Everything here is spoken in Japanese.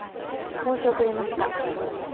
申し遅れました。